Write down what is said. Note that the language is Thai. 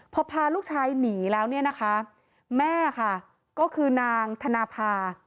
พอพาลูกชายหนีแล้วแม่คือนางถนาภา